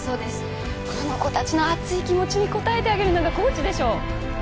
この子たちの熱い気持ちに応えてあげるのがコーチでしょ！